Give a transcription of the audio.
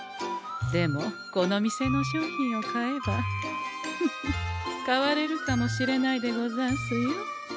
でもこの店の商品を買えばフフ変われるかもしれないでござんすよ。